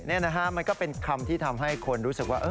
นี่นะฮะมันก็เป็นคำที่ทำให้คนรู้สึกว่า